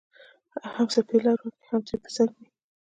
هم څپې لار ورکوي او ترې په څنګ ځي